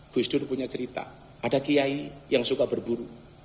gus dur punya cerita ada kiai yang suka berburu